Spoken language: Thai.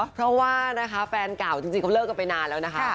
เพราะว่านะคะแฟนเก่าจริงเขาเลิกกันไปนานแล้วนะคะ